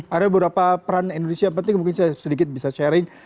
ada beberapa peran indonesia yang penting mungkin saya sedikit bisa sharing